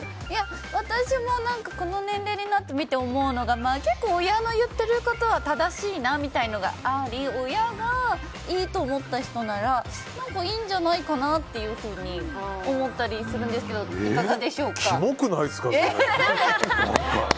私もこの年齢になってみて思うのが結構、親の言ってることは正しいなみたいなのがあり親がいいと思った人ならいいんじゃないかなっていうふうに思ったりするんですけどキモくないですか？